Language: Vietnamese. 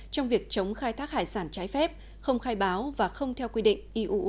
trong việc chống khai thác hải sản trái phép không khai báo và không theo quy định iuu